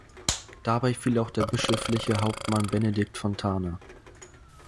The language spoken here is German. Dabei fiel auch der bischöfliche Hauptmann Benedikt Fontana.